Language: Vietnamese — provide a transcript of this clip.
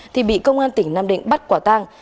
thì bị công an tỉnh nam định bắt quả tang